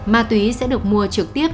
ma túy sẽ được mua trực tiếp